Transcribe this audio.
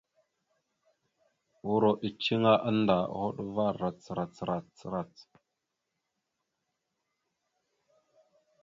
Uuro eceŋé annda a hoɗ va rac rac rac.